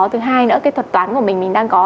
thứ hai nữa cái thuật toán của mình mình đang có